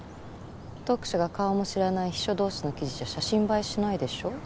読者が顔も知らない秘書同士の記事じゃ写真映えしないでしょ？